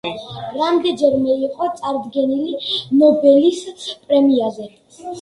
რამდენჯერმე იყო წარდგენილი ნობელის პრემიაზე.